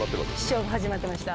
勝負は始まってました。